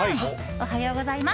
おはようございます。